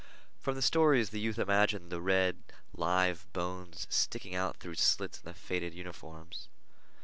From the stories, the youth imagined the red, live bones sticking out through slits in the faded uniforms.